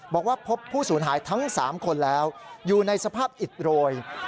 บอกว่าพบผู้สูญหายทั้ง๓คนแล้วอยู่ในสภาพอิดโรย